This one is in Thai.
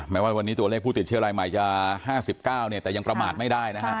แม้ว่าวันนี้ตัวเลขผู้ติดเชื้อรายใหม่จะ๕๙แต่ยังประมาทไม่ได้นะฮะ